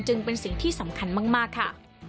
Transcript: เป็นสิ่งที่สำคัญมากค่ะ